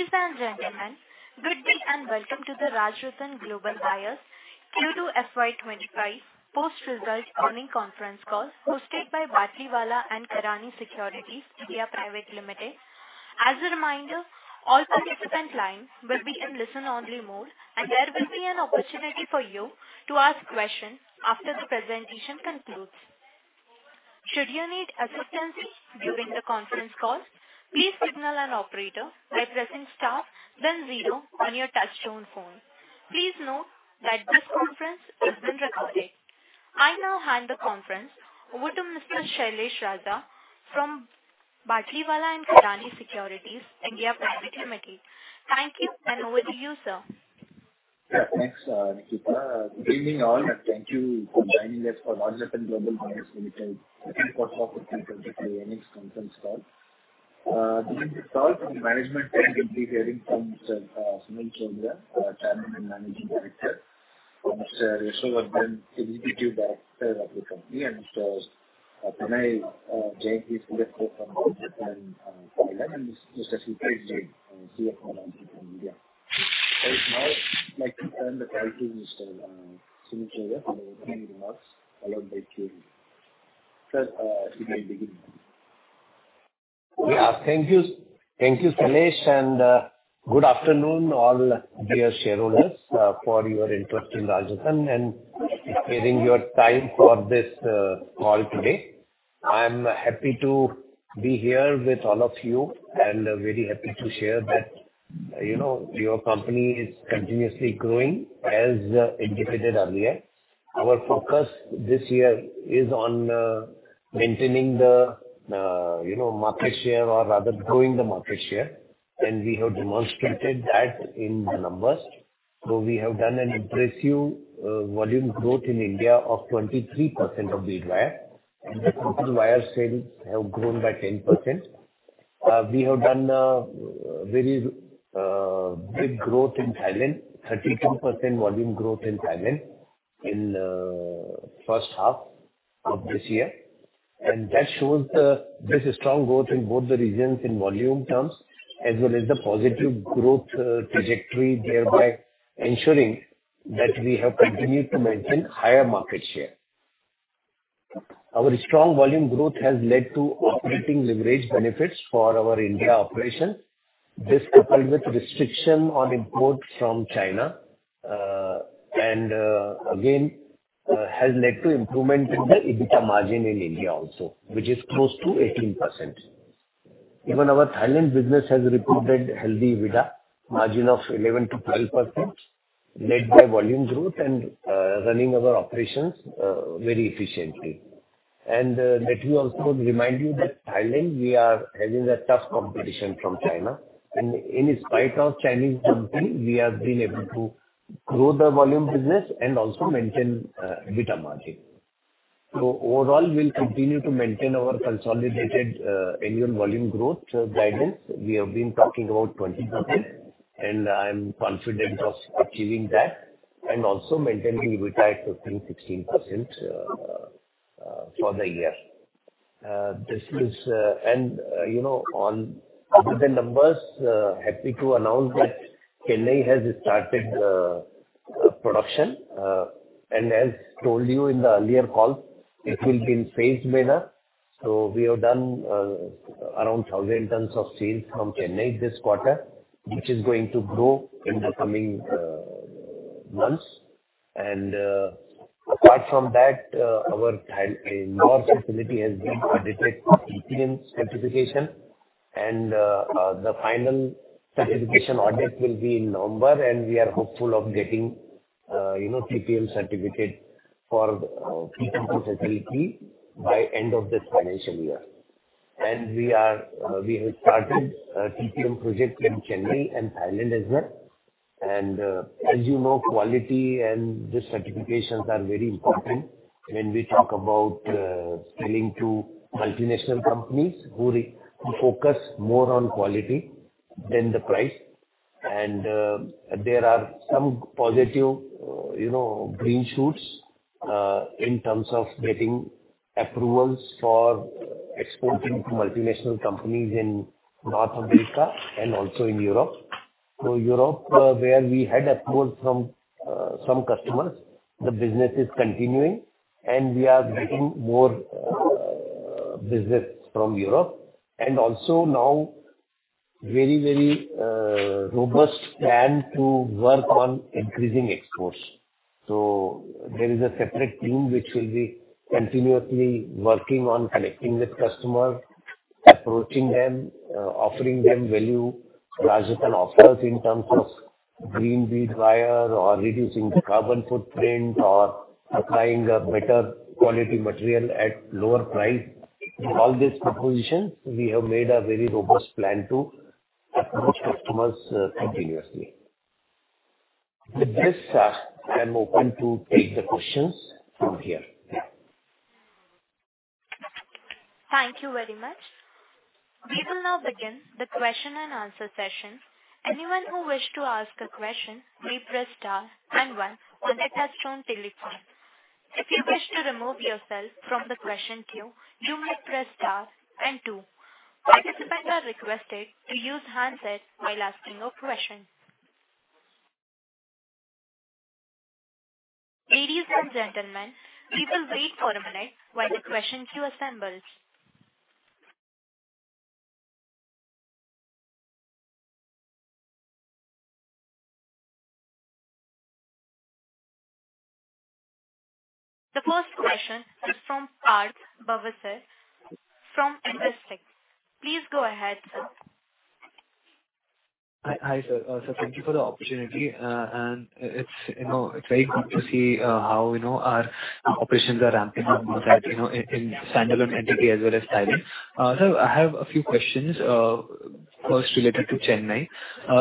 Ladies and gentlemen, good day and welcome to the Rajratan Global Wire's Q2 FY25 Post-Result Earning Conference Call hosted by Batlivala & Karani Securities India Pvt. Ltd. As a reminder, all participants' lines will be in listen-only mode, and there will be an opportunity for you to ask questions after the presentation concludes. Should you need assistance during the conference call, please signal an operator by pressing STAR, then ZERO on your touch-tone phone. Please note that this conference is being recorded. I now hand the conference over to. Thank you, and over to you, sir. Yeah, thanks, Nikhil sir. Good evening all, and thank you for joining us for Rajratan Global Wire's 24th of April 2024 earnings conference call. During this call, from the management team, we'll be hearing from Mr. Sunil Chordia, Chairman and Managing Director, Mr. Yashovardhan Chordia, Executive Director of the company, and Mr. Pranay Jain, CFO from Rajratan Global, and Mr. Hitesh Jain, CFO of Rajratan India. I would now like to turn the call to Mr. Sunil Chordia for the opening remarks, followed by Q&A. Sir, you may begin. Yeah, thank you, Sunil Chordia, and good afternoon, all dear shareholders, for your interest in Rajratan and taking your time for this call today. I'm happy to be here with all of you and very happy to share that your company is continuously growing, as indicated earlier. Our focus this year is on maintaining the market share, or rather growing the market share, and we have demonstrated that in the numbers. So we have done an impressive volume growth in India of 23% of the entire, and the total wire sales have grown by 10%. We have done a very big growth in Thailand, 32% volume growth in Thailand in the first half of this year, and that shows there's a strong growth in both the regions in volume terms, as well as the positive growth trajectory, thereby ensuring that we have continued to maintain a higher market share. Our strong volume growth has led to operating leverage benefits for our India operations. This coupled with restriction on imports from China, and again, has led to improvement in the EBITDA margin in India also, which is close to 18%. Even our Thailand business has reported a healthy EBITDA margin of 11 to 12%, led by volume growth and running our operations very efficiently. And let me also remind you that Thailand, we are having a tough competition from China, and in spite of Chinese dumping, we have been able to grow the volume business and also maintain EBITDA margin. So overall, we'll continue to maintain our consolidated annual volume growth guidance. We have been talking about 20%, and I'm confident of achieving that and also maintaining EBITDA at 15% to 16% for the year. On the numbers, happy to announce that Chennai has started production, and as told you in the earlier call, it will be in phase beta, so we have done around 1,000 tons of sales from Chennai this quarter, which is going to grow in the coming months, and apart from that, our North facility has been audited for TPM certification, and the final certification audit will be in November, and we are hopeful of getting TPM certificate for the facility by the end of this financial year, and we have started a TPM project in Chennai and Thailand as well, and as you know, quality and the certifications are very important when we talk about selling to multinational companies who focus more on quality than the price. There are some positive green shoots in terms of getting approvals for exporting to multinational companies in North America and also in Europe. So Europe, where we had approvals from some customers, the business is continuing, and we are getting more business from Europe. And also now, a very, very robust plan to work on increasing exports. So there is a separate team which will be continuously working on connecting with customers, approaching them, offering them value-added offers in terms of green bead wire or reducing the carbon footprint or applying a better quality material at lower price. All these propositions, we have made a very robust plan to approach customers continuously. With this, I'm open to take the questions from here. Thank you very much. We will now begin the question and answer session. Anyone who wishes to ask a question may press STAR and 1 on the touch-tone telephone. If you wish to remove yourself from the question queue, you may press STAR and 2. Participants are requested to use handsets while asking a question. Ladies and gentlemen, we will wait for a minute while the question queue assembles. The first question is from Parth Bhavsar from Investec. Please go ahead. Hi, sir. So thank you for the opportunity, and it's very good to see how our operations are ramping up in Indore in standalone entity as well as Thailand. Sir, I have a few questions, first related to Chennai.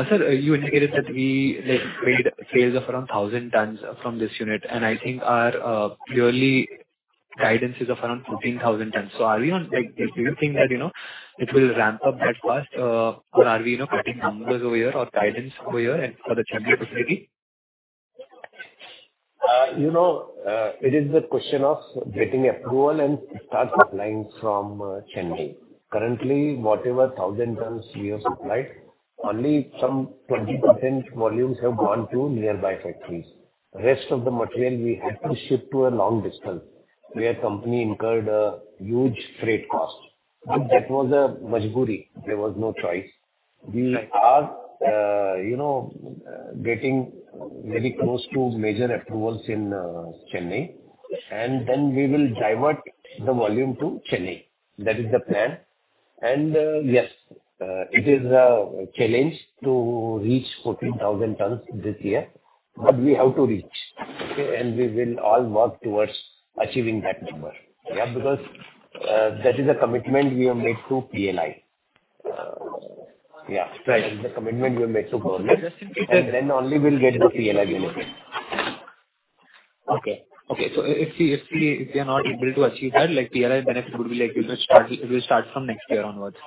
Sir, you indicated that we made sales of around 1,000 tons from this unit, and I think our yearly guidance is of around 14,000 tons. So are we on track? Do you think that it will ramp up that fast, or are we cutting numbers over here or guidance over here for the Chennai facility? It is the question of getting approval and start supplying from Chennai. Currently, whatever 1,000 tons we have supplied, only some 20% volumes have gone to nearby factories. The rest of the material we had to ship to a long distance, where the company incurred a huge freight cost. That was a force majeure. There was no choice. We are getting very close to major approvals in Chennai, and then we will divert the volume to Chennai. That is the plan. And yes, it is a challenge to reach 14,000 tons this year, but we have to reach, and we will all work towards achieving that number. Yeah, because that is a commitment we have made to PLI. Yeah, that is the commitment we have made to the government, and then only we'll get the PLI benefit. Okay. So if we are not able to achieve that, PLI benefit would be like it will start from next year onwards?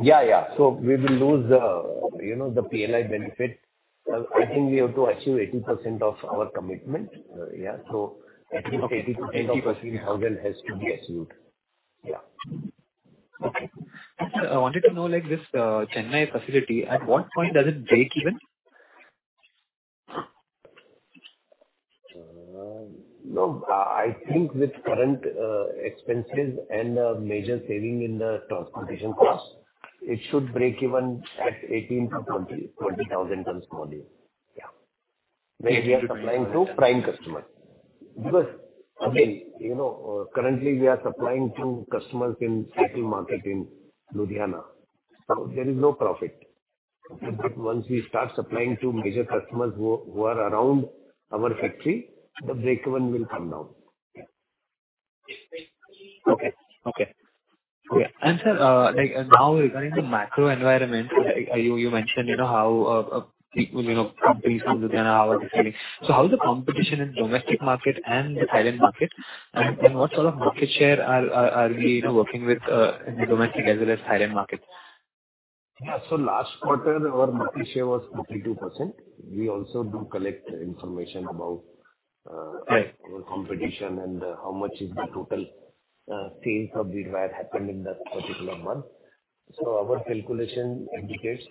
Yeah, yeah. So we will lose the PLI benefit. I think we have to achieve 80% of our commitment. Yeah, so I think 80% of 14,000 has to be achieved. Yeah. Okay. I wanted to know this Chennai facility, at what point does it break even? No, I think with current expenses and a major saving in the transportation cost, it should break even at 18-20,000 tons volume. Yeah. When we are supplying to prime customers, because again, currently we are supplying to customers in the market in Ludhiana, so there is no profit. Once we start supplying to major customers who are around our factory, the break even will come down. Okay. And sir, now regarding the macro environment, you mentioned how companies from Ludhiana are doing. So how is the competition in the domestic market and the Thailand market, and what sort of market share are we working with in the domestic as well as Thailand market? Yeah, so last quarter, our market share was 42%. We also do collect information about our competition and how much is the total sales of the wire happened in that particular month. So our calculation indicates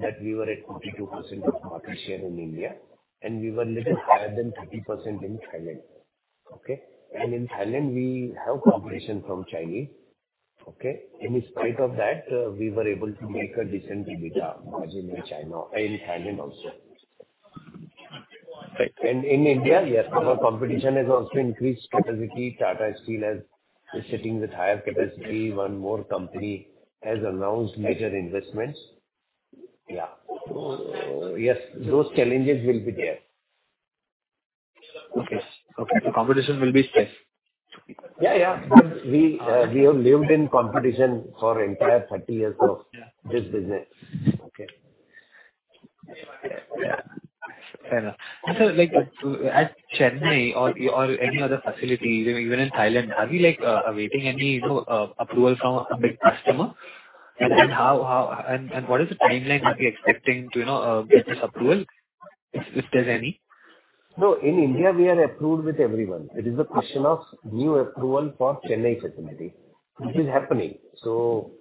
that we were at 42% of market share in India, and we were a little higher than 30% in Thailand. Okay. And in Thailand, we have competition from Chinese. Okay. In spite of that, we were able to make a decent EBITDA margin in China and Thailand also. And in India, yes, our competition has also increased capacity. Tata Steel is sitting with higher capacity. One more company has announced major investments. Yeah. So yes, those challenges will be there. Okay. Okay. So competition will be stiff. Yeah, yeah. We have lived in competition for the entire 30 years of this business. Okay. Yeah. And Sir, at Chennai or any other facility, even in Thailand, are we awaiting any approval from a big customer? And what is the timeline that we're expecting to get this approval, if there's any? No, in India, we are approved with everyone. It is a question of new approval for Chennai facility. This is happening. So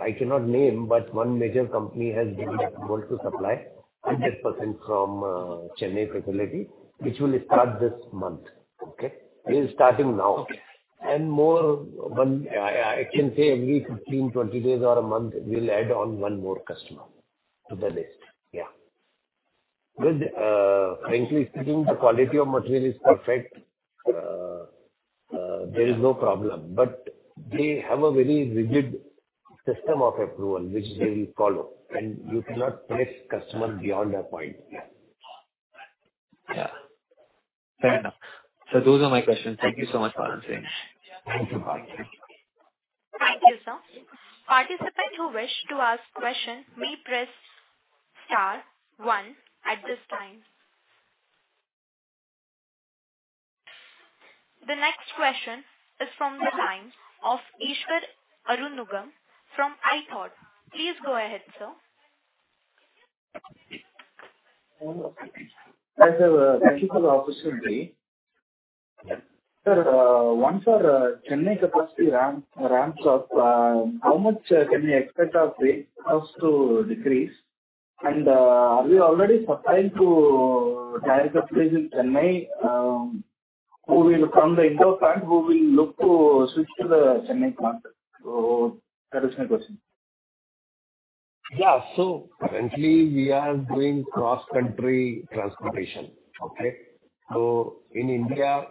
I cannot name, but one major company has been able to supply 100% from Chennai facility, which will start this month. Okay. We are starting now. And more, I can say every 15, 20 days or a month, we'll add on one more customer to the list. Yeah. Well, frankly speaking, the quality of material is perfect. There is no problem, but they have a very rigid system of approval, which they will follow, and you cannot press customer beyond a point. Yeah. Fair enough. So those are my questions. Thank you so much, Rajratan. Thank you, sir. Thank you, sir. Participant who wished to ask a question may press STAR, one at this time. The next question is from the line of Easwaran Arumugam from InCred Equities. Please go ahead, sir. Thank you for the opportunity. Sir, once our Chennai capacity ramps up, how much can we expect our freight cost to decrease? And are we already supplying to direct facilities in Chennai? Who will come to the Indore plant? Who will look to switch to the Chennai plant? So that is my question. Yeah. So currently, we are doing cross-country transportation. Okay. So in India,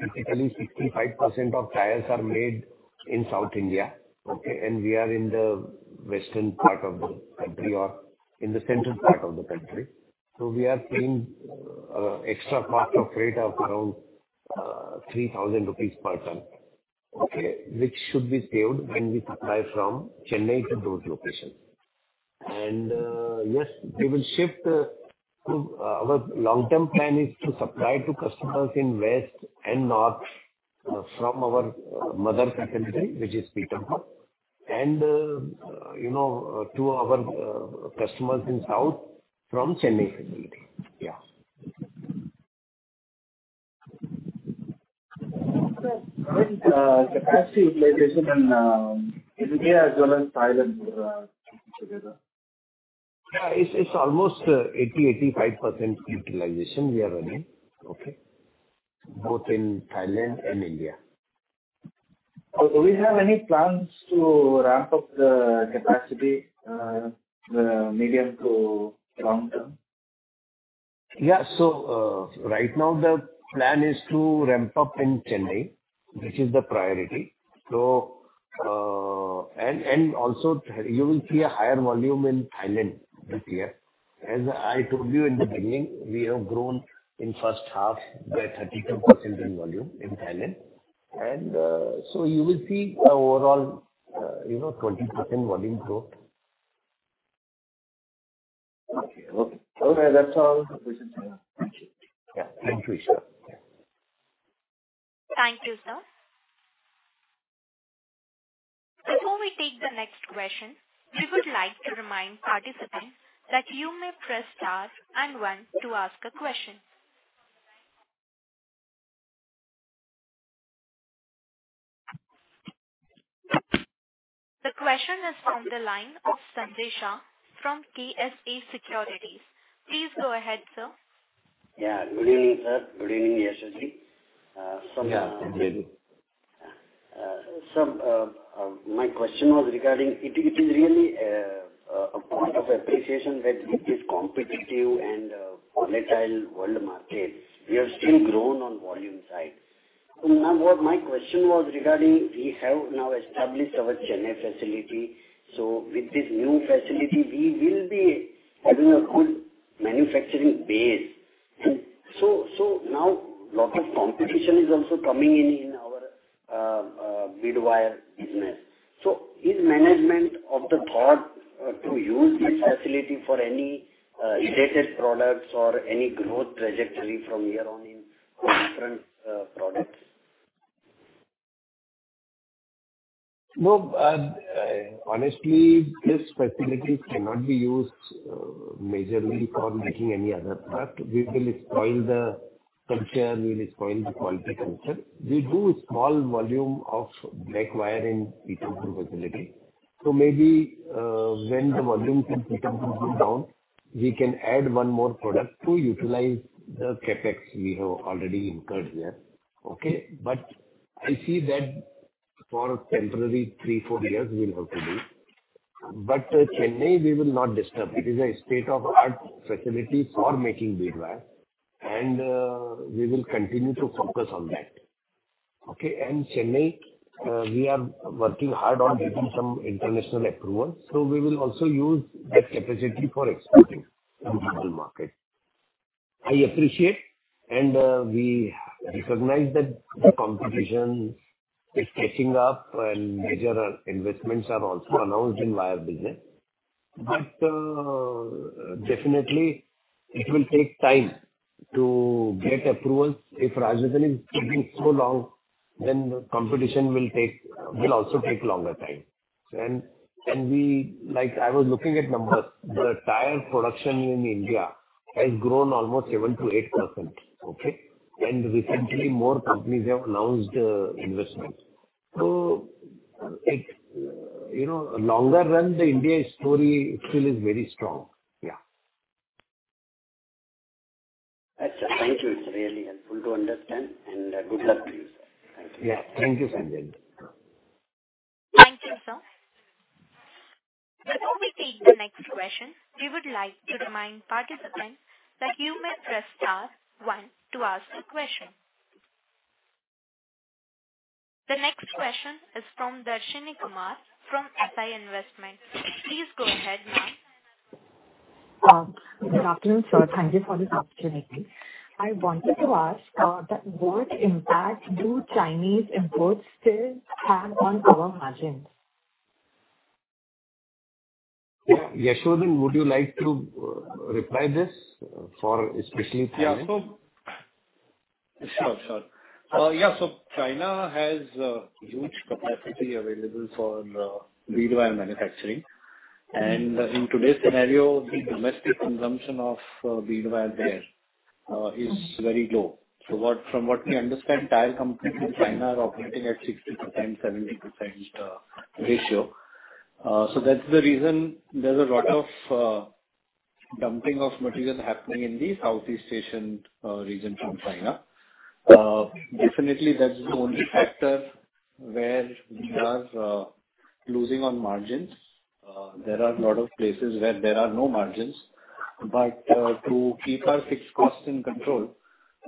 typically 65% of tires are made in South India. Okay. And we are in the western part of the country or in the central part of the country. So we are paying an extra cost of rate of around 3,000 rupees per ton, which should be saved when we supply from Chennai to those locations. And yes, we will shift. Our long-term plan is to supply to customers in West and North from our mother facility, which is Pithampur, and to our customers in South from Chennai facility. Yeah. Sir, capacity utilization in India as well as Thailand together? It's almost 80-85% utilization we are running. Okay. Both in Thailand and India. So do we have any plans to ramp up the capacity medium to long-term? Yeah. So right now, the plan is to ramp up in Chennai, which is the priority. And also, you will see a higher volume in Thailand this year. As I told you in the beginning, we have grown in the first half by 32% in volume in Thailand. And so you will see overall 20% volume growth. Okay. Okay. That's all the questions. Thank you. Yeah. Thank you, sir. Thank you, sir. Before we take the next question, we would like to remind participants that you may press STAR and 1 to ask a question. The question is from the line of Sanjay Shah from KSA Shares & Securities. Please go ahead, sir. Yeah. Good evening, sir. Good evening, Yashaji. My question was regarding it is really a point of appreciation that it is competitive and volatile world market. We have still grown on volume side. So now what my question was regarding, we have now established our Chennai facility. So with this new facility, we will be having a good manufacturing base. And so now, a lot of competition is also coming in our bead wire business. So has management thought to use this facility for any related products or any growth trajectory from here on in different products? No, honestly, this facility cannot be used majorly for making any other product. We will exploit the culture. We will exploit the quality culture. We do small volume of black wire in Pithampur facility. So maybe when the volume in Pithampur goes down, we can add one more product to utilize the CapEx we have already incurred here. Okay. But I see that for temporary three, four years, we'll have to do. But Chennai, we will not disturb. It is a state-of-the-art facility for making bead wire, and we will continue to focus on that. Okay. And Chennai, we are working hard on getting some international approval. So we will also use that capacity for exporting to the global market. I appreciate, and we recognize that the competition is catching up, and major investments are also announced in wire business. But definitely, it will take time to get approvals. If Rajratan is taking so long, then the competition will also take longer time, and I was looking at numbers. The tire production in India has grown almost 7%-8%. Okay, and recently, more companies have announced investment, so longer run, the India story still is very strong. Yeah. Thank you. It's really helpful to understand, and good luck to you, sir. Thank you. Yeah. Thank you, sir. Thank you, sir. Before we take the next question, we would like to remind participants that you may press STAR, 1, to ask a question. The next question is from Darshini Kumar from S I Investments. Please go ahead, ma'am. Good afternoon, sir. Thank you for this opportunity. I wanted to ask what impact do Chinese imports still have on our margins? Yashovardhan, would you like to reply to this for especially China? Yeah. So sure, sure. Yeah. So China has huge capacity available for bead wire manufacturing. And in today's scenario, the domestic consumption of bead wire there is very low. So from what we understand, tire companies in China are operating at 60%, 70% ratio. So that's the reason there's a lot of dumping of material happening in the Southeast Asian region from China. Definitely, that's the only factor where we are losing on margins. There are a lot of places where there are no margins. But to keep our fixed costs in control,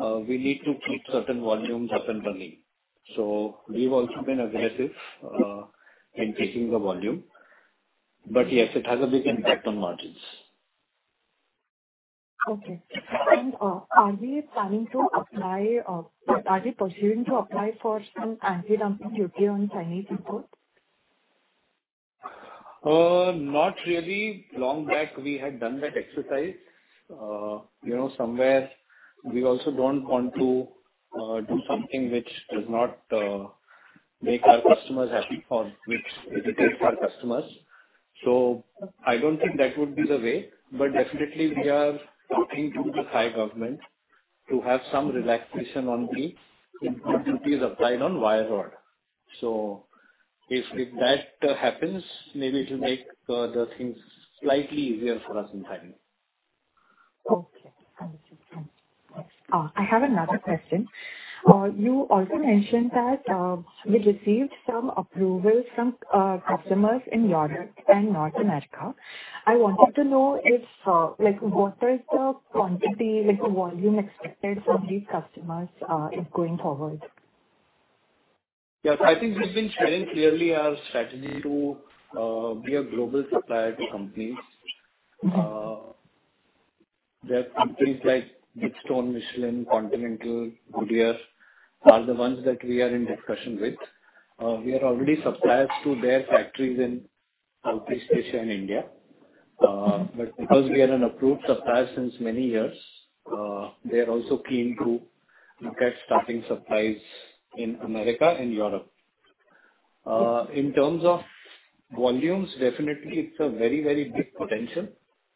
we need to keep certain volumes up and running. So we've also been aggressive in taking the volume. But yes, it has a big impact on margins. Okay, and are we planning to apply or are we pursuing to apply for some anti-dumping duty on Chinese imports? Not really. Long back, we had done that exercise. Somewhere, we also don't want to do something which does not make our customers happy or which irritates our customers. So I don't think that would be the way. But definitely, we are talking to the Thai government to have some relaxation on the duty applied on wire rod. So if that happens, maybe it will make the things slightly easier for us in Thailand. Okay. Thank you. I have another question. You also mentioned that you received some approval from customers in Europe and North America. I wanted to know what is the quantity, the volume expected from these customers going forward? Yes. I think we've been sharing clearly our strategy to be a global supplier to companies. There are companies like Bridgestone, Michelin, Continental, and Goodyear that are the ones that we are in discussion with. We are already suppliers to their factories in Southeast Asia and India. But because we are an approved supplier since many years, they are also keen to look at starting supplies in America and Europe. In terms of volumes, definitely, it's a very, very big potential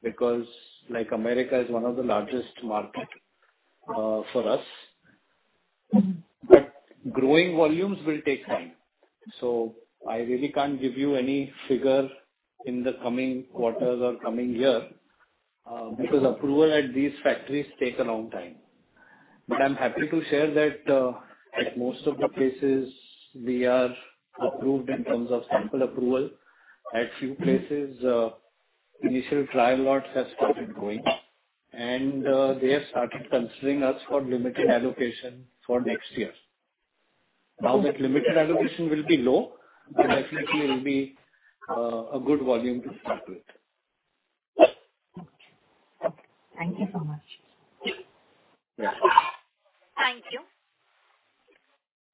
because America is one of the largest markets for us. But growing volumes will take time. So I really can't give you any figure in the coming quarter or coming year because approval at these factories takes a long time. But I'm happy to share that at most of the places, we are approved in terms of sample approval. At a few places, initial trial lots have started going, and they have started considering us for limited allocation for next year. Now that limited allocation will be low, but definitely, it will be a good volume to start with. Okay. Thank you so much. Yeah. Thank you.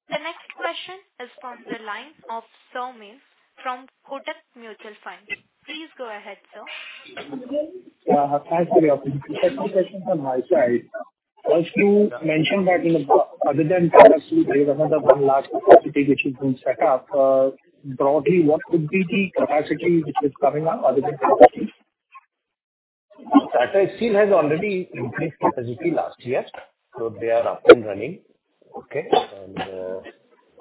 The next question is from the line of Somin from Kotak Mutual Fund. Please go ahead, sir. Yeah. Hi, Surya. Second question from my side was to mention that other than Kiswire, there is another one large capacity which is being set up. Broadly, what would be the capacity which is coming up other than Kiswire? Kiswire has already increased capacity last year. So they are up and running. Okay.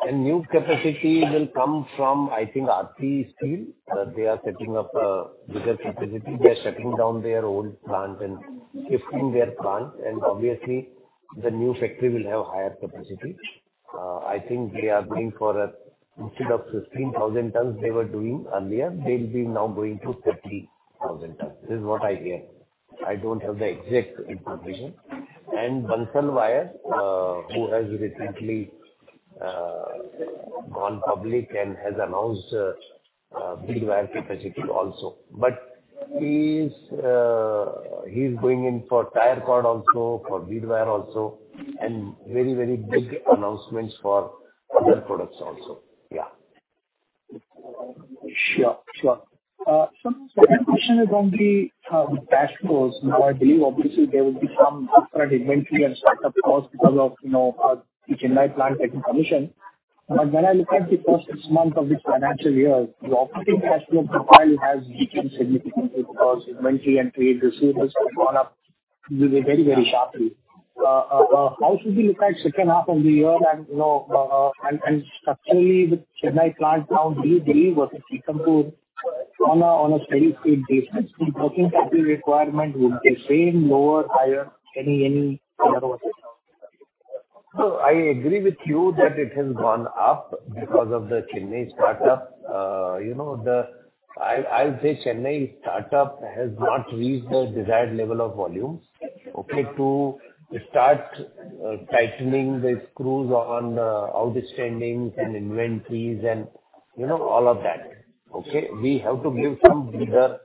And new capacity will come from, I think, Aarti Steels. They are setting up a bigger capacity. They are shutting down their old plant and shifting their plant. And obviously, the new factory will have higher capacity. I think they are going for, instead of 15,000 tons they were doing earlier, they will be now going to 30,000 tons. This is what I hear. I don't have the exact information. And Bansal Wire, who has recently gone public and has announced bead wire capacity also. But he is going in for tire cord also, for bead wire also, and very, very big announcements for other products also. Yeah. Sure. Sure. So my second question is on the cash flows. Now, I believe, obviously, there will be some inventory and startup costs because of the Chennai plant taking commission. But when I look at the first month of this financial year, the operating cash flow profile has decreased significantly because inventory and trade receivables have gone up very, very sharply. How should we look at the second half of the year? And structurally, with Chennai plant now, do you believe it will take up to on a steady state basis? Do you think that the requirement will be the same, lower, higher, any other way? So I agree with you that it has gone up because of the Chennai startup. I'll say Chennai startup has not reached the desired level of volumes. Okay. To start tightening the screws on outstandings and inventories and all of that. Okay. We have to give some buffer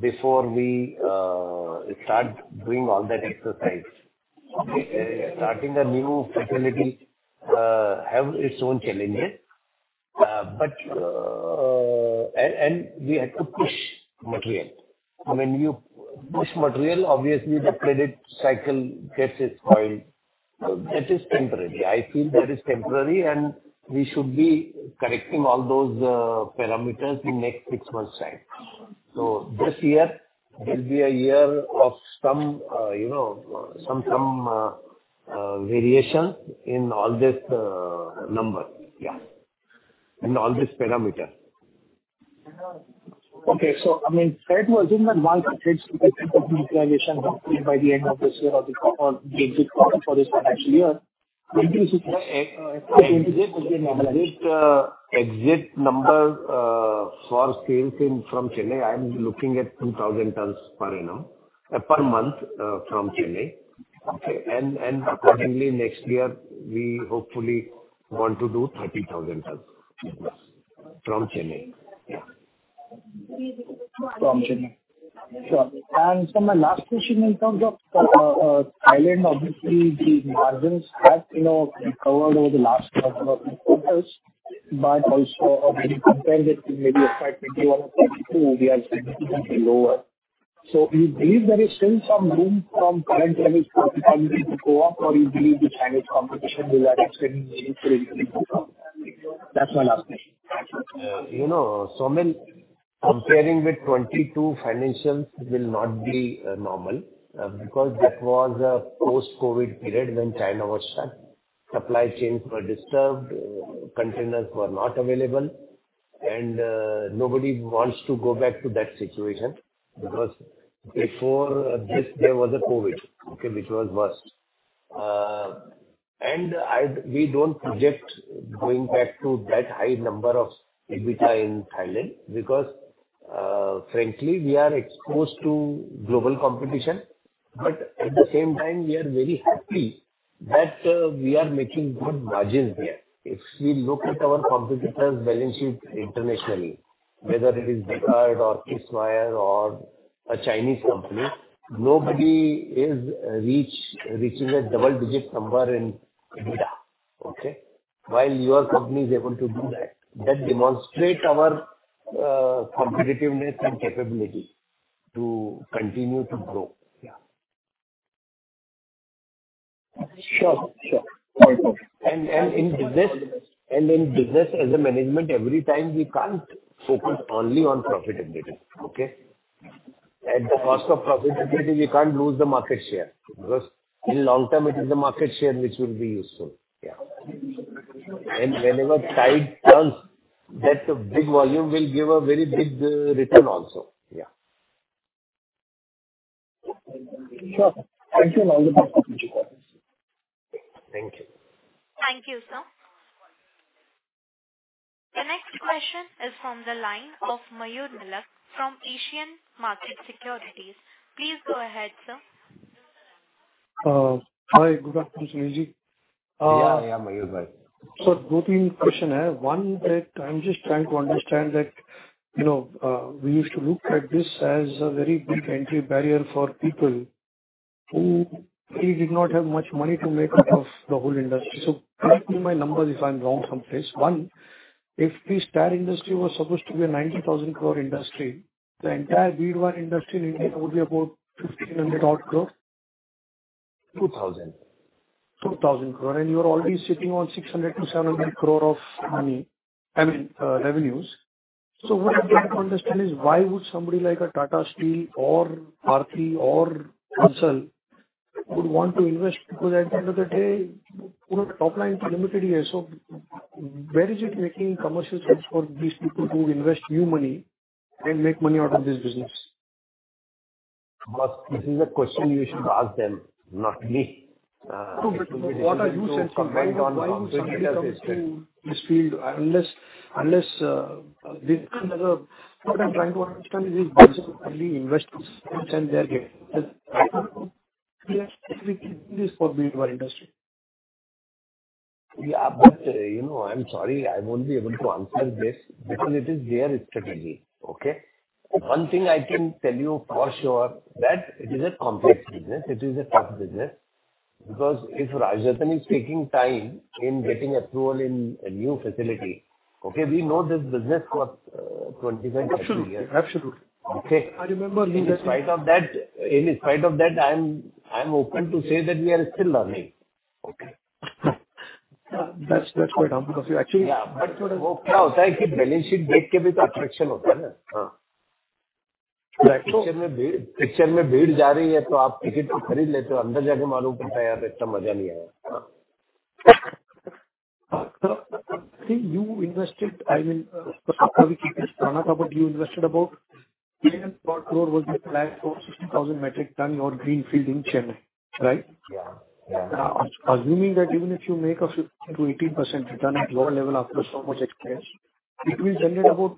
before we start doing all that exercise. Okay. Starting a new facility has its own challenges. And we have to push material. When you push material, obviously, the credit cycle gets spoiled. So that is temporary. I feel that is temporary, and we should be correcting all those parameters in the next six months' time. So this year will be a year of some variation in all these numbers. Yeah. In all these parameters. Okay, so I mean, fair to assume that while the trade speaker's inventory valuation hopefully by the end of this year or the exit quarter for this financial year, maybe we should. Expected number for sales from Chennai, I'm looking at 2,000 tons per month from Chennai. Okay. And accordingly, next year, we hopefully want to do 30,000 tons from Chennai. Yeah. From Chennai. Sure. And so my last question in terms of Thailand, obviously, the margins have recovered over the last couple of quarters. But also, when we compare that to maybe FY21 or FY22, we are significantly lower. So you believe there is still some room from current levels to go up, or you believe the Chinese competition will have extended meaningfully? That's my last question. Somin, comparing with 2022, financials will not be normal because that was a post-COVID period when China was stuck. Supply chains were disturbed. Containers were not available. And nobody wants to go back to that situation because before this, there was a COVID, okay, which was worse. And we don't project going back to that high number of EBITDA in Thailand because, frankly, we are exposed to global competition. But at the same time, we are very happy that we are making good margins here. If we look at our competitors' balance sheets internationally, whether it is Bekaert or Kiswire or a Chinese company, nobody is reaching a double-digit number in EBITDA. Okay. While your company is able to do that, that demonstrates our competitiveness and capability to continue to grow. Yeah. Sure. Sure. And in business, as a management, every time we can't focus only on profitability. Okay. At the cost of profitability, we can't lose the market share because in the long term, it is the market share which will be useful. Yeah. And whenever tide turns, that big volume will give a very big return also. Yeah. Sure. Thank you on all the parts. Appreciate it. Thank you. Thank you, sir. The next question is from the line of Mayur Milak from Asian Markets Securities. Please go ahead, sir. Hi. Good afternoon, Sunilji. Yeah. Yeah. Mayur bhai. So two things, question here. One, that I'm just trying to understand that we used to look at this as a very big entry barrier for people who really did not have much money to make up of the whole industry. So correct me in my numbers if I'm wrong someplace. One, if the tire industry was supposed to be an 90,000 crore industry, the entire bead wire industry in India would be about 1,500-odd crore? 2,000. 2,000 crore. And you're already sitting on 600-700 crore of money, I mean, revenues. So what I'm trying to understand is why would somebody like Tata Steel or Aarti Steel or Bansal would want to invest? Because at the end of the day, top line is limited here. So where is it making commercial sense for these people to invest new money and make money out of this business? This is a question you should ask them, not me. What are you saying? Why would somebody have to do this field unless what I'm trying to understand is Bansal only invests and they are getting this? Yes. Specifically for bead wire industry? Yeah. But I'm sorry, I won't be able to answer this. Because it is their strategy. Okay. One thing I can tell you for sure that it is a complex business. It is a tough business. Because if Rajratan is taking time in getting approval in a new facility, okay, we know this business for 25, 30 years. Absolutely. Absolutely. I remember he was. In spite of that, in spite of that, I'm open to say that we are still learning. Okay. That's quite harmful of you. Actually. Yeah. But what happens is balance sheet gated CapEx is attractive over there. Right. Picture me bead. Picture me bead जा रही है तो आप ticket to खरीद लेते हो. अंदर जाके मालूम पड़ता है, यार, इतना मजा नहीं आया. So you invested, I mean, we keep this CapEx, but you invested about 10 crore was the plan for 60,000 metric ton your greenfield in Chennai, right? Yeah. Yeah. Assuming that even if you make a 15%-18% return at your level after so much expense, it will generate about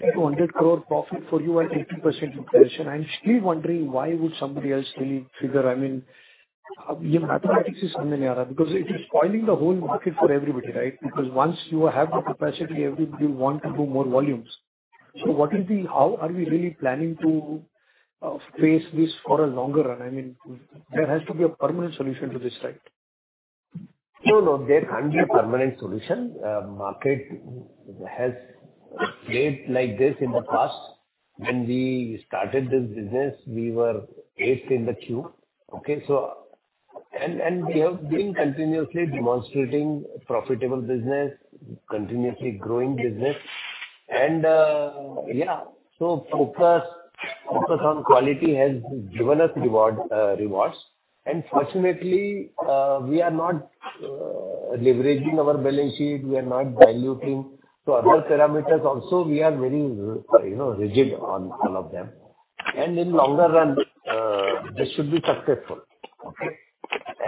200 crore profit for you at 80% inflation. I'm still wondering why would somebody else really figure. I mean, your mathematics is coming in here. Because it is spoiling the whole market for everybody, right? Because once you have the capacity, everybody will want to do more volumes. So what is the how are we really planning to face this for a longer run? I mean, there has to be a permanent solution to this, right? No, no. There can't be a permanent solution. Market has played like this in the past. When we started this business, we were eighth in the queue. Okay. And we have been continuously demonstrating profitable business, continuously growing business. And yeah. So focus on quality has given us rewards. And fortunately, we are not leveraging our balance sheet. We are not diluting. So other parameters also, we are very rigid on all of them. And in longer run, this should be successful. Okay.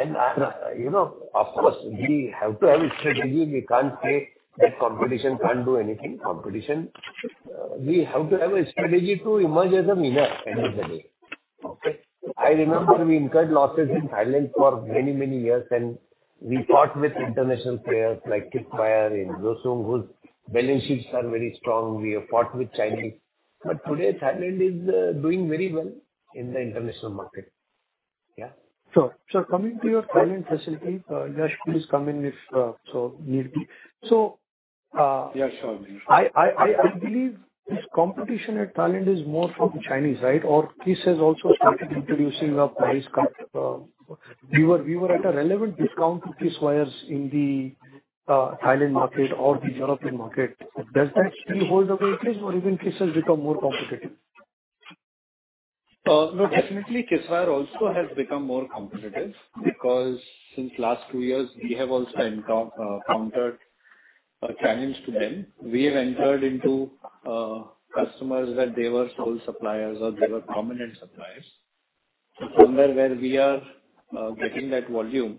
And of course, we have to have a strategy. We can't say that competition can't do anything. Competition, we have to have a strategy to emerge as a winner end of the day. Okay. I remember we incurred losses in Thailand for many, many years, and we fought with international players like Kiswire and Hyosung, whose balance sheets are very strong. We have fought with Chinese. But today, Thailand is doing very well in the international market. Yeah. Sure. So, coming to your Thailand facilities, Yash, please come in if so need be. So. Yeah. Sure. I believe this competition in Thailand is more from Chinese, right? Or Kiswire has also started introducing a price cut. We were at a relevant discount to Kiswire's in the Thailand market or the European market. Does that still hold the weight, or even Kiswire has become more competitive? No, definitely, Kiswire also has become more competitive because since last two years, we have also encountered a challenge to them. We have entered into customers that they were sole suppliers or they were prominent suppliers. So somewhere where we are getting that volume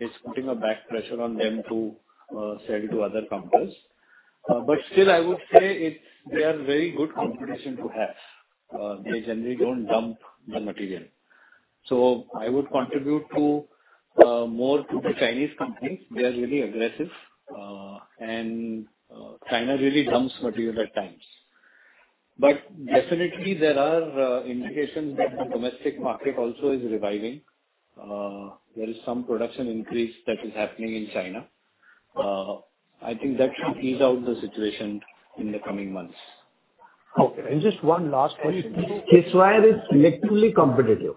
is putting a back pressure on them to sell to other companies. But still, I would say they are very good competition to have. They generally don't dump the material. So I would attribute more to the Chinese companies. They are really aggressive, and China really dumps material at times. But definitely, there are indications that the domestic market also is reviving. There is some production increase that is happening in China. I think that should ease out the situation in the coming months. Okay. And just one last question? Kiswire is literally competitive.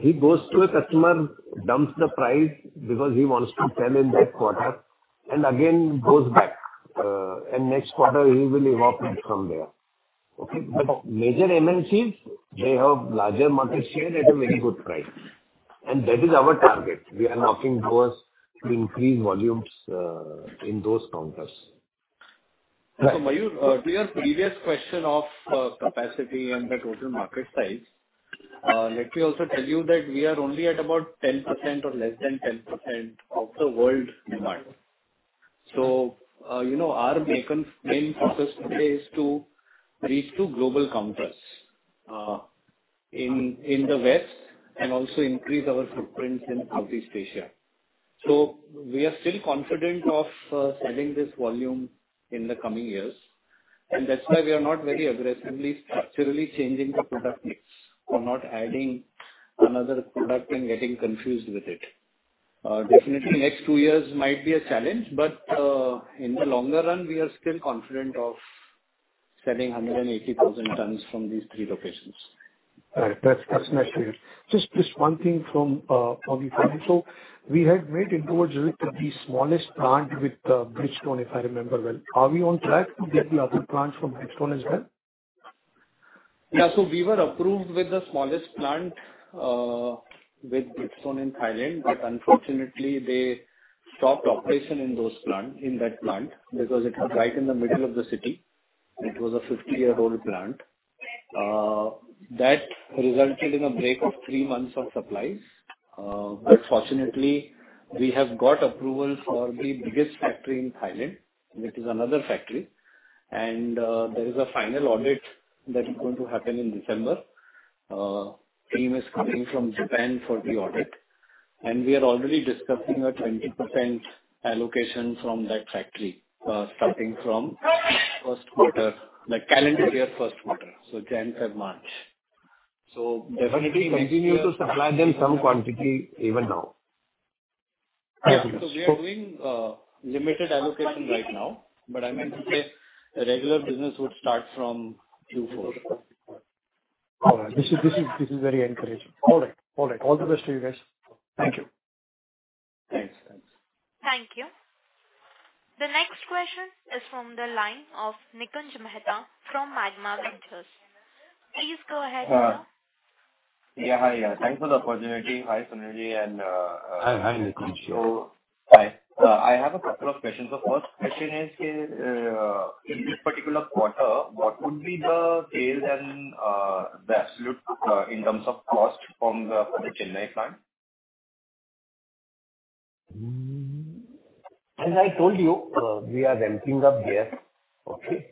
He goes to a customer, dumps the price because he wants to sell in that quarter, and again goes back, and next quarter he will evolve from there. Okay, but major MNCs, they have larger market share at a very good price, and that is our target. We are knocking doors to increase volumes in those counters. So Mayur, to your previous question of capacity and the total market size, let me also tell you that we are only at about 10% or less than 10% of the world demand. Our main focus today is to reach global customers in the West and also increase our footprints in Southeast Asia. We are still confident of selling this volume in the coming years. And that's why we are not very aggressively structurally changing the product mix or not adding another product and getting confused with it. Definitely, next two years might be a challenge. But in the longer run, we are still confident of selling 180,000 tons from these three locations. All right. That's nice to hear. Just one thing from the financial. We had made inroads with the smallest plant with Bridgestone, if I remember well. Are we on track to get the other plants from Bridgestone as well? Yeah. So we were approved with the smallest plant with Bridgestone in Thailand. But unfortunately, they stopped operation in that plant because it was right in the middle of the city. It was a 50-year-old plant. That resulted in a break of three months of supplies. But fortunately, we have got approval for the biggest factory in Thailand, which is another factory. And there is a final audit that is going to happen in December. Team is coming from Japan for the audit. And we are already discussing a 20% allocation from that factory starting from the first quarter, the calendar year first quarter, so January and March. So definitely. So you continue to supply them some quantity even now? Yeah, so we are doing limited allocation right now. But I meant to say regular business would start from Q4. All right. This is very encouraging. All right. All right. All the best to you guys. Thank you. Thanks. Thanks. Thank you. The next question is from the line of Nikunj Mehta from Magma Ventures. Please go ahead, sir. Yeah. Hi. Thanks for the opportunity. Hi, Sunilji. Hi. Hi, Nikunj. Hi. I have a couple of questions. The first question is, in this particular quarter, what would be the sales and the absolute in terms of cost from the Chennai plant? As I told you, we are ramping up here. Okay.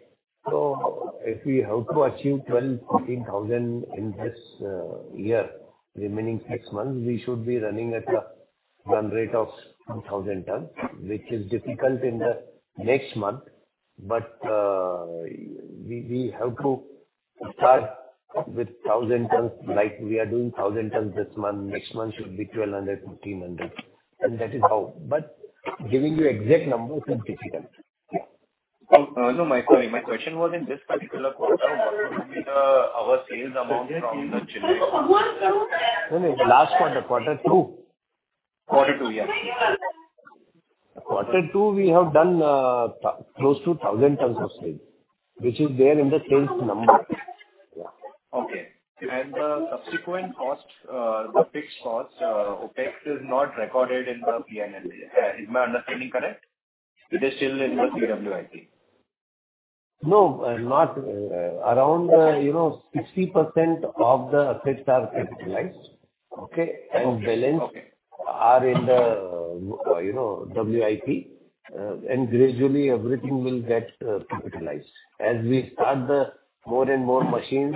So if we have to achieve 12-14 thousand in this year, remaining six months, we should be running at a run rate of 2,000 tons, which is difficult in the next month. But we have to start with 1,000 tons, like we are doing 1,000 tons this month. Next month should be 1,200-1,500. And that is how. But giving you exact numbers is difficult. Yeah. No, my question was in this particular quarter, what would be our sales amount from the Chennai plant? No, no. Last quarter, Q2. Q2, yeah. Q2, we have done close to 1,000 tons of sales, which is there in the sales number. Yeah. Okay. And the subsequent cost, the fixed cost, OPEX is not recorded in the P&L. Is my understanding correct? It is still in the CWIP? No. Around 60% of the assets are capitalized. Okay. And balance are in the WIP. And gradually, everything will get capitalized. As we start the more and more machines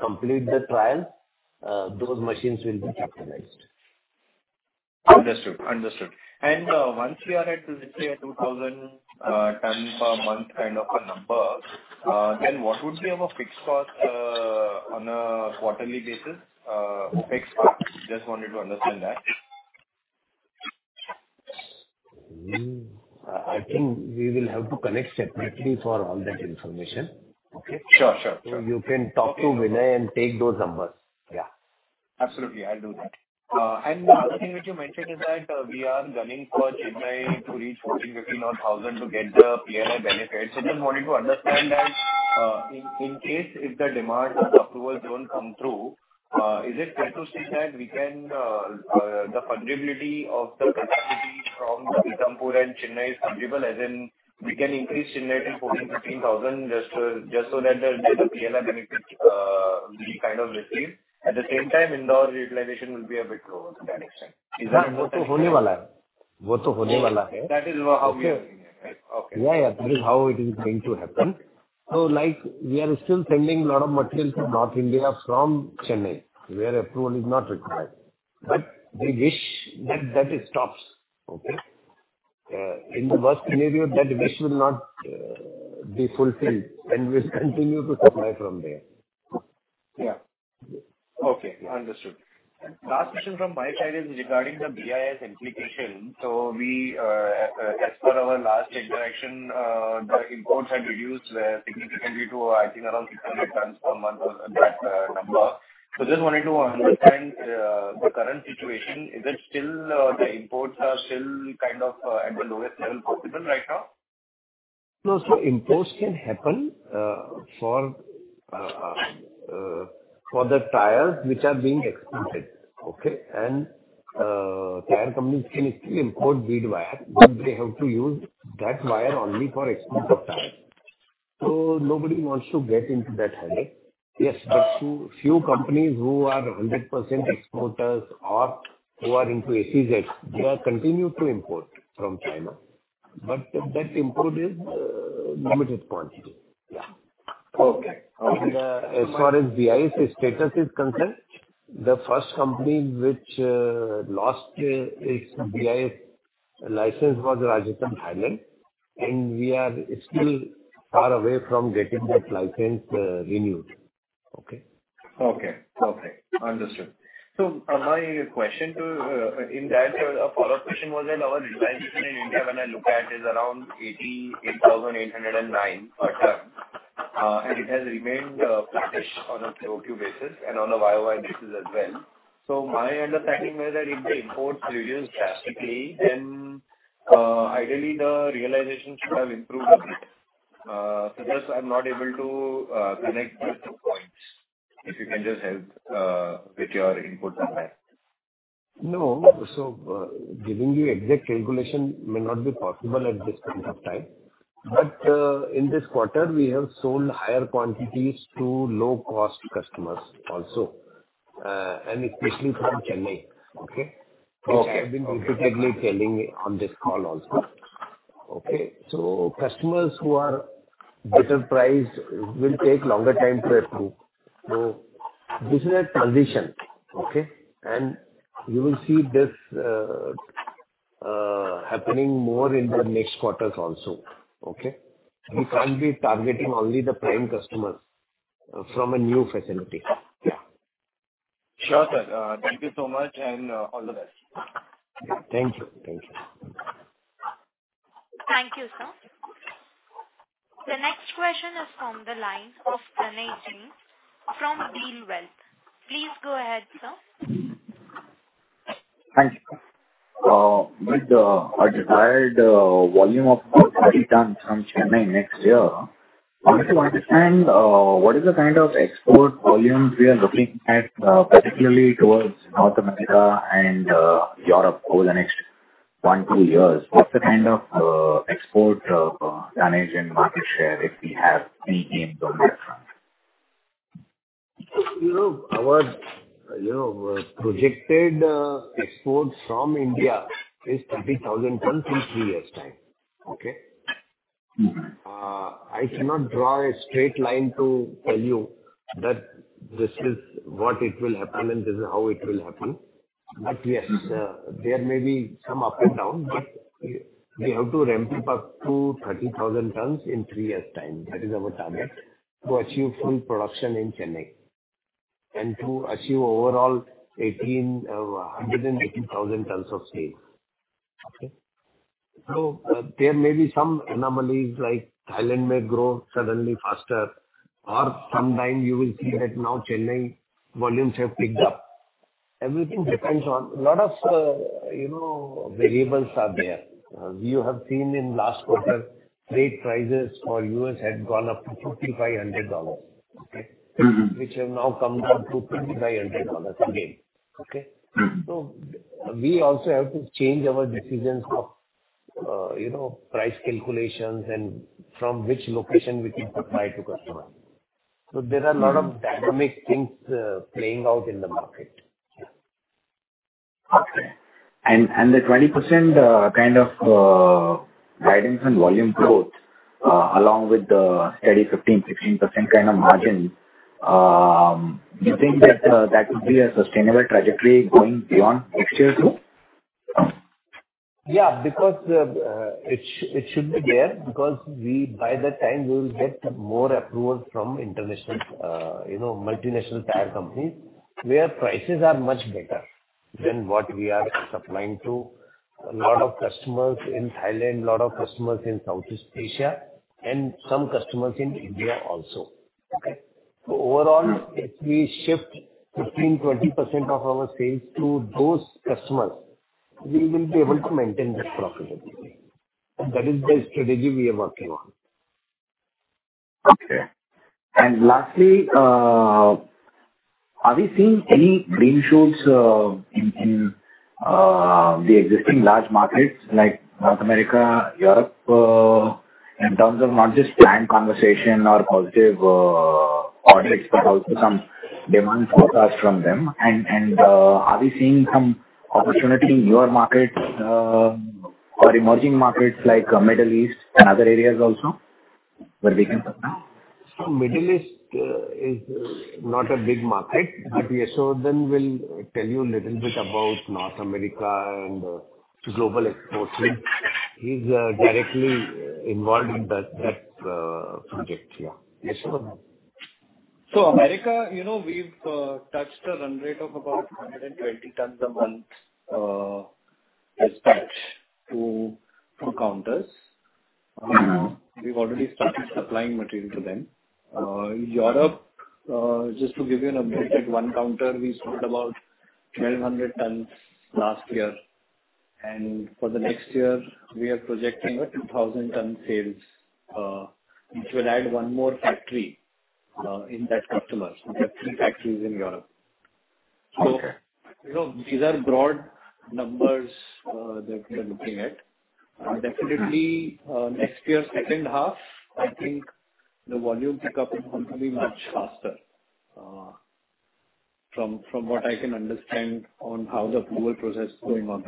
complete the trial, those machines will be capitalized. Understood. Understood. And once we are at, let's say, 2,000 tons per month kind of a number, then what would be our fixed cost on a quarterly basis? OPEX cost. Just wanted to understand that. I think we will have to collect separately for all that information. Okay. Sure. Sure. Sure. So you can talk to Vinay and take those numbers. Yeah. Absolutely. I'll do that. And the other thing which you mentioned is that we are running for Chennai to reach 1,450,000 to get the P&L benefits. I just wanted to understand that in case if the demand approvals don't come through, is it fair to say that we can the fundability of the capacity from Pithampur and Chennai is fundable as in we can increase Chennai to 1,415,000 just so that the P&L benefit we kind of receive. At the same time, Indore utilization will be a bit lower to that extent. Is that? Yeah. वो तो होने वाला है. वो तो होने वाला है. That is how we are doing it. Right? Okay. Yeah. Yeah. That is how it is going to happen so we are still sending a lot of materials to North India from Chennai, where approval is not required but we wish that that stops. Okay. In the worst scenario, that wish will not be fulfilled and we will continue to supply from there. Yeah. Okay. Understood. Last question from my side is regarding the BIS implication. So as per our last interaction, the imports had reduced significantly to, I think, around 600 tons per month or that number. So just wanted to understand the current situation. Is it still the imports are still kind of at the lowest level possible right now? No. So imports can happen for the tires which are being exported. Okay. And tire companies can still import bead wire, but they have to use that wire only for export of tires. So nobody wants to get into that headache. Yes. But few companies who are 100% exporters or who are into SEZs, they are continued to import from China. But that import is limited quantity. Yeah. Okay. Okay. As far as BIS status is concerned, the first company which lost its BIS license was Rajratan India. We are still far away from getting that license renewed. Okay. Okay. Okay. Understood. So my question to you in that, a follow-up question was that our realization in India when I look at is around 88,809 per ton. And it has remained flatish on a QoQ basis and on a YoY basis as well. So my understanding was that if the imports reduce drastically, then ideally, the realization should have improved a bit. So just I'm not able to connect the two points. If you can just help with your input on that. No. So giving you exact calculation may not be possible at this point of time. But in this quarter, we have sold higher quantities to low-cost customers also, and especially from Chennai. Okay. Okay. Which I have been repeatedly telling on this call also. Okay. So customers who are better priced will take longer time to approve. So this is a transition. Okay. And you will see this happening more in the next quarters also. Okay. We can't be targeting only the prime customers from a new facility. Yeah. Sure, sir. Thank you so much. And all the best. Thank you. Thank you. Thank you, sir. The next question is from the line of Pranay Jain from Dealwealth. Please go ahead, sir. Thank you. With the desired volume of 30 tons from Chennai next year, I want to understand what is the kind of export volume we are looking at, particularly towards North America and Europe over the next one to two years? What's the kind of export tonnage and market share if we have any gains on that front? Our projected export from India is 30,000 tons in three years' time. Okay. I cannot draw a straight line to tell you that this is what it will happen and this is how it will happen. But yes, there may be some up and down, but we have to ramp up to 30,000 tons in three years' time. That is our target to achieve full production in Chennai and to achieve overall 180,000 tons of sale. Okay. So there may be some anomalies like Thailand may grow suddenly faster, or sometime you will see that now Chennai volumes have picked up. Everything depends on a lot of variables are there. You have seen in last quarter, trade prices for U.S. had gone up to $5,500, okay, which have now come down to $2,500 again. Okay. So we also have to change our decisions of price calculations and from which location we can supply to customers. So there are a lot of dynamic things playing out in the market. Okay, and the 20% kind of guidance and volume growth along with the steady 15%-16% kind of margin, do you think that that would be a sustainable trajectory going beyond next year too? Yeah. Because it should be there because by that time, we will get more approval from multinational tire companies where prices are much better than what we are supplying to a lot of customers in Thailand, a lot of customers in Southeast Asia, and some customers in India also. Okay, so overall, if we shift 15%-20% of our sales to those customers, we will be able to maintain this profitability. That is the strategy we are working on. Okay. And lastly, are we seeing any green shoots in the existing large markets like North America, Europe, in terms of not just planned conversation or positive audits, but also some demand forecast from them? And are we seeing some opportunity in newer markets or emerging markets like Middle East and other areas also where we can supply? So, Middle East is not a big market, but yes, so then we'll tell you a little bit about North America and global exports. He's directly involved in that project. Yeah. Yes, sir. America, we've touched a run rate of about 120 tons a month as much to customers. We've already started supplying material to them. Europe, just to give you an update, at one customer, we sold about 1,200 tons last year. And for the next year, we are projecting a 2,000-ton sales, which will add one more factory in that customer. So we have three factories in Europe. So these are broad numbers that we're looking at. And definitely, next year's second half, I think the volume pickup is going to be much faster from what I can understand on how the approval process is going on.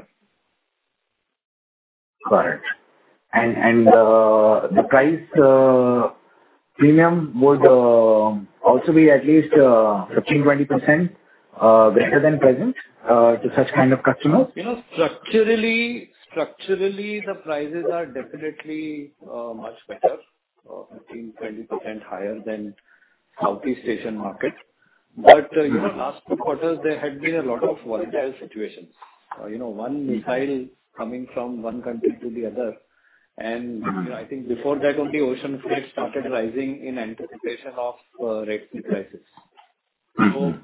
Got it. And the price premium would also be at least 15%-20% better than present to such kind of customers? Structurally, the prices are definitely much better, 15%-20% higher than Southeast Asian market. But last two quarters, there had been a lot of volatile situations. One missile coming from one country to the other. And I think before that, only ocean freight started rising in anticipation of rising prices.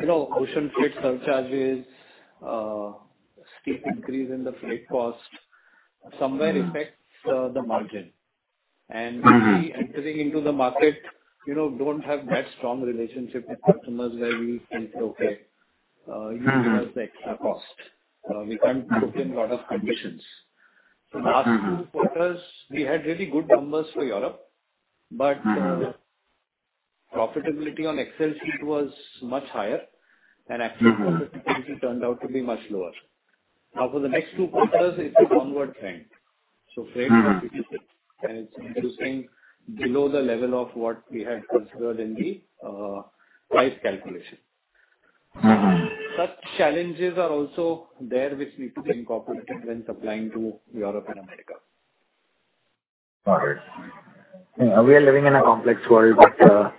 So ocean freight surcharges, steep increase in the freight cost, somewhere affects the margin. And we entering into the market, don't have that strong relationship with customers where we think, "Okay, you give us the extra cost." We can't put in a lot of conditions. So last two quarters, we had really good numbers for Europe, but profitability on Excel sheet was much higher. And actual profitability turned out to be much lower. Now, for the next two quarters, it's a downward trend. So freight profitability is reducing below the level of what we had considered in the price calculation. Such challenges are also there which need to be incorporated when supplying to Europe and America. Got it. We are living in a complex world, but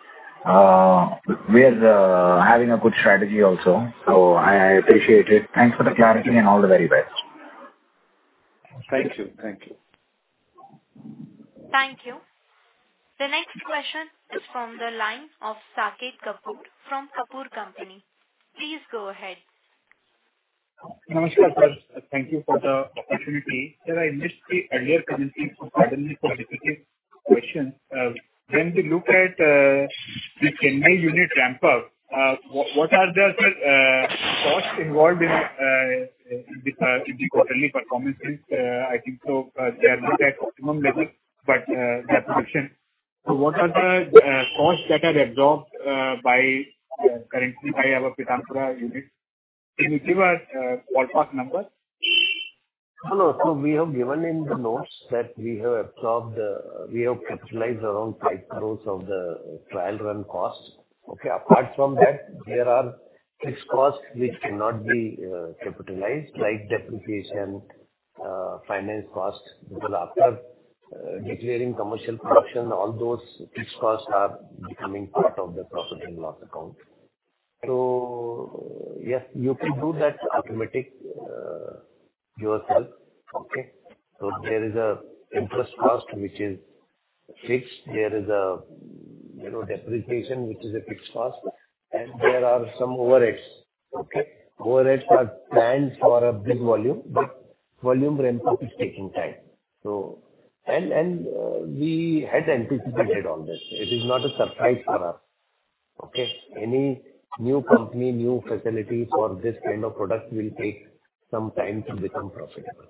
we are having a good strategy also. So I appreciate it. Thanks for the clarity and all the very best. Thank you. Thank you. Thank you. The next question is from the line of Saket Kapoor from Kapoor & Co. Please go ahead. Namaskar sir, thank you for the opportunity. Sir, I missed the earlier commentary for the question. When we look at the Chennai unit ramp-up, what are the costs involved in the quarterly performance? I think so they are good at optimum level, but the question. So what are the costs that are absorbed currently by our Pithampur unit? Can you give a ballpark number? Hello. We have given in the notes that we have capitalized around 5% of the trial run cost. Okay. Apart from that, there are fixed costs which cannot be capitalized like depreciation, finance cost. Because after declaring commercial production, all those fixed costs are becoming part of the profit and loss account. Yes, you can do that automatically yourself. Okay. There is an interest cost which is fixed. There is a depreciation which is a fixed cost. And there are some overheads. Okay. Overheads are planned for a big volume, but volume ramp-up is taking time. We had anticipated all this. It is not a surprise for us. Okay. Any new company, new facilities for this kind of product will take some time to become profitable.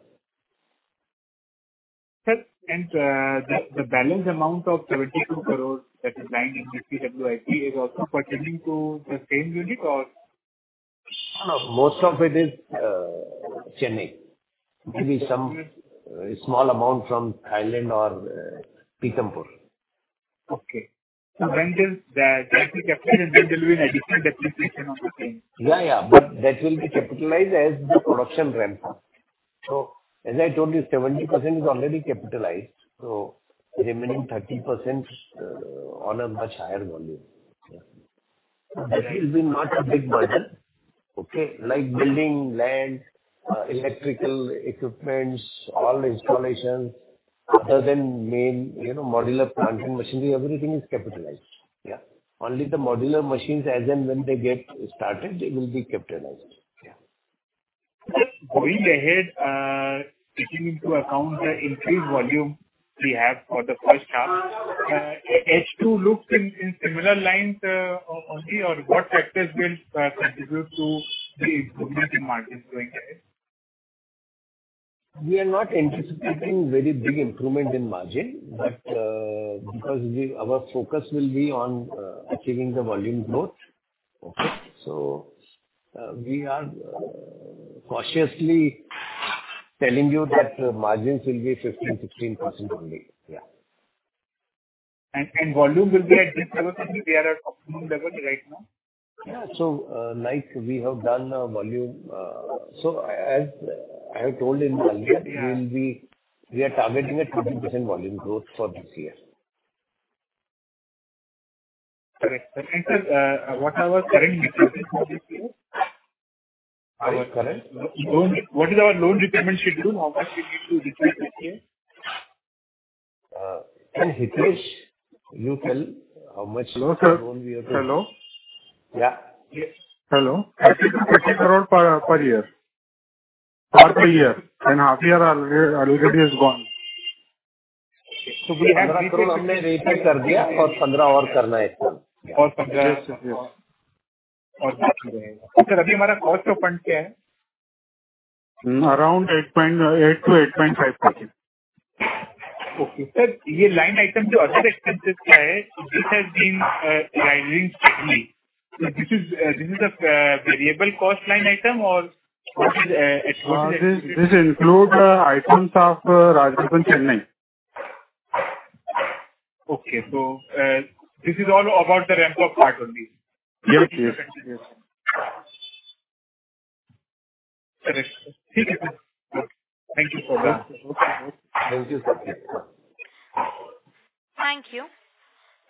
The balance amount of 72 crores that is lying in CWIP is also pertaining to the same unit, or? No. Most of it is Chennai. Maybe some small amount from Thailand or Pithampur. Okay. So when does that capital and then there will be an additional depreciation on the same? Yeah. Yeah. But that will be capitalized as the production ramp-up. So as I told you, 70% is already capitalized. So remaining 30% on a much higher volume. That will be not a big burden. Okay. Like building, land, electrical equipment, all installations other than main modular plant and machinery, everything is capitalized. Yeah. Only the modular machines as and when they get started, they will be capitalized. Going ahead, taking into account the increased volume we have for the first half, H2 looks in similar lines only, or what factors will contribute to the improvement in margins going ahead? We are not anticipating very big improvement in margin, but because our focus will be on achieving the volume growth. Okay. So we are cautiously telling you that margins will be 15%-16% only. Yeah. Volume will be at this level because we are at optimum level right now? Yeah. Like, we have done volume. As I have told earlier, we are targeting at 20% volume growth for this year. Sir, what are our current requirements for this year? Our current? What is our loan repayment schedule? How much we need to repay this year? Hitesh, you tell how much loan we have to. Hello. Hello? Yeah. Yes. Hello. I think it's 15 crores per year. Per year. And half year already is gone. Okay, so we have to. 15 crore हमने repay कर दिया और INR 15 crore और करना है इस साल. Or 15? Yes. Yes. Or 15? Yes. Sir, अभी हमारा cost of funds क्या है? Around 8.8%-8.5%. Okay. Sir, ये line item to other expenses का है, which has been rising steadily. So this is a variable cost line item or what is it? This includes items of Rajratan, Chennai. Okay. So this is all about the ramp-up part only? Yes. Yes. Yes. Correct. Thank you, sir. Thank you, sir. Thank you. Thank you.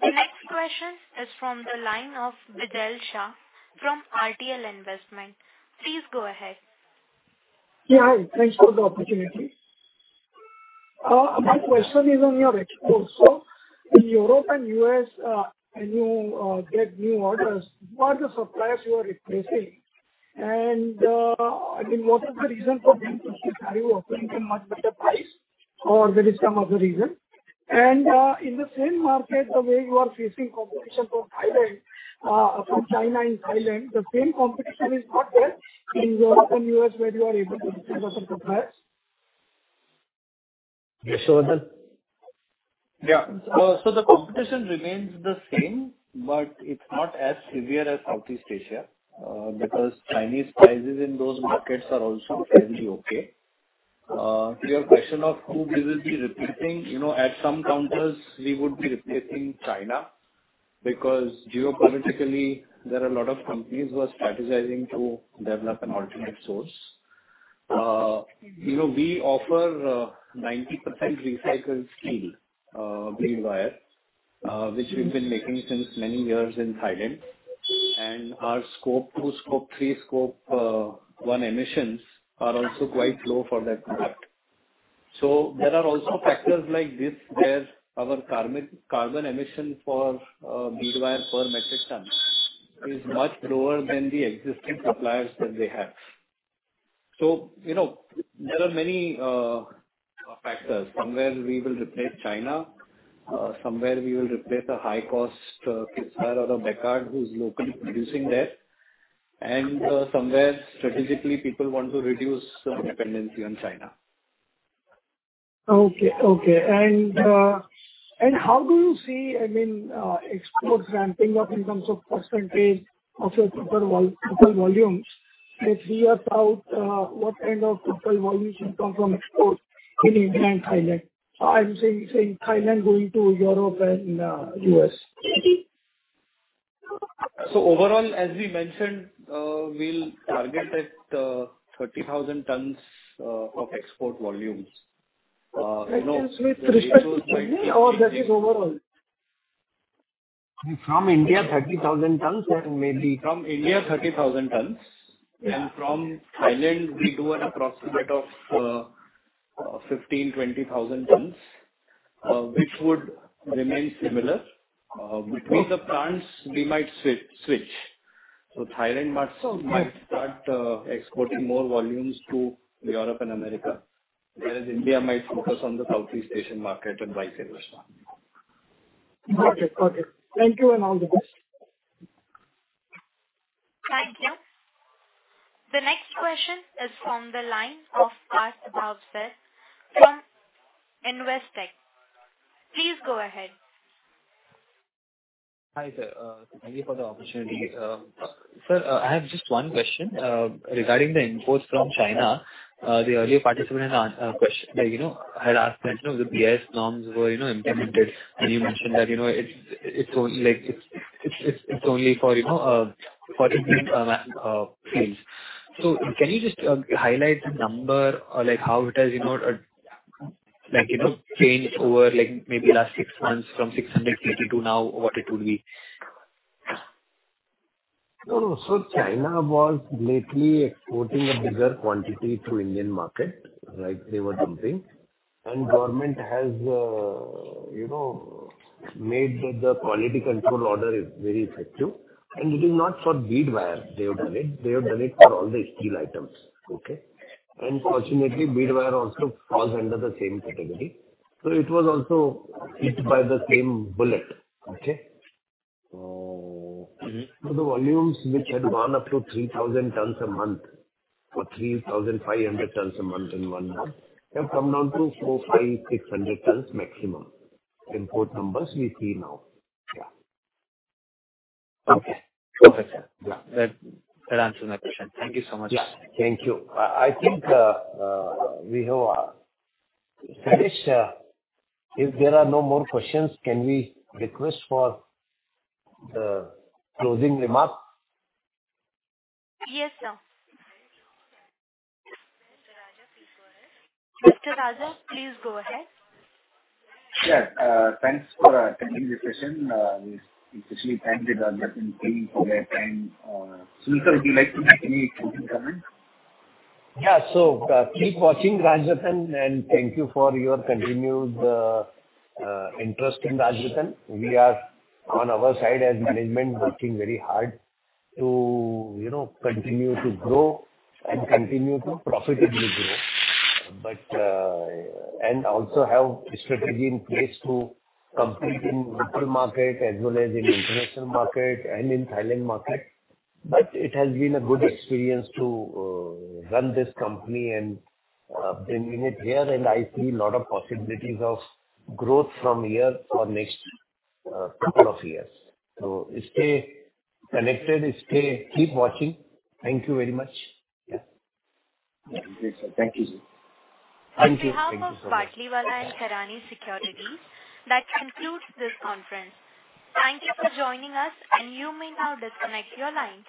The next question is from the line of Viral Shah from RTL Investments. Please go ahead. Yeah. Thanks for the opportunity. My question is on your exports. So in Europe and US, when you get new orders, who are the suppliers you are replacing? And I mean, what is the reason for them to keep value offering at much better price, or there is some other reason? And in the same market, the way you are facing competition from Thailand, from China and Thailand, the same competition is not there in Europe and US where you are able to replace other suppliers? Yes, sir. Yeah. So the competition remains the same, but it's not as severe as Southeast Asia because Chinese prices in those markets are also fairly okay. To your question of who we will be replacing, at some countries, we would be replacing China because geopolitically, there are a lot of companies who are strategizing to develop an alternate source. We offer 90% recycled steel, bead wire, which we've been making since many years in Thailand. And our Scope 2, Scope 3, Scope 1 emissions are also quite low for that product. So there are also factors like this where our carbon emission for bead wire per metric ton is much lower than the existing suppliers that they have. So there are many factors. Somewhere we will replace China. Somewhere we will replace a high-cost Kiswire or a Bekaert who's locally producing there. Somewhere strategically, people want to reduce the dependency on China. Okay. Okay. And how do you see, I mean, exports ramping up in terms of age of your total volumes? Let's see, what kind of total volumes will come from exports in India and Thailand? I'm saying, Thailand going to Europe and U.S. So overall, as we mentioned, we'll target at 30,000 tons of export volumes. Excellence with respect to India or that is overall? From India, 30,000 tons and maybe. From India, 30,000 tons. And from Thailand, we do an approximate of 15,000-20,000 tons, which would remain similar. Between the plants, we might switch. So Thailand might start exporting more volumes to Europe and America, whereas India might focus on the Southeast Asian market and vice versa. Got it. Got it. Thank you and all the best. Thank you. The next question is from the line of Parth Bhavsar sir from Investec. Please go ahead. Hi, sir. Thank you for the opportunity. Sir, I have just one question regarding the imports from China. The earlier participant had asked that the BIS norms were implemented. And you mentioned that it's only for these fields. So can you just highlight the number or how it has changed over maybe last six months from 680 to now what it would be? China was lately exporting a bigger quantity to Indian market. They were dumping. The government has made the quality control order very effective. It is not for bead wire. They have done it. They have done it for all the steel items. Okay. Fortunately, bead wire also falls under the same category. It was also hit by the same bullet. Okay. The volumes which had gone up to 3,000 tons a month or 3,500 tons a month in one month have come down to 450-600 tons maximum import numbers we see now. Yeah. Okay. Perfect. Yeah. That answers my question. Thank you so much. Yeah. Thank you. I think we have finished. If there are no more questions, can we request for the closing remark? Yes, sir. Mr. Raja, please go ahead. Sure. Thanks for attending the session. We especially thank the Rajratan team for their time. So sir, would you like to make any closing comment? Yeah. So, keep watching Rajratan. And thank you for your continued interest in Rajratan. We are, on our side as management, working very hard to continue to grow and continue to profitably grow. And also have a strategy in place to compete in local market as well as in international market and in Thailand market. But it has been a good experience to run this company and bringing it here. And I see a lot of possibilities of growth from here for the next couple of years. So stay connected. Keep watching. Thank you very much. Yeah. Thank you, sir. Thank you. Thank you. Thank you so much. Thank you. Thank you so much. Thank you so much, Batlivala & Karani Securities. That concludes this conference. Thank you for joining us, and you may now disconnect your line.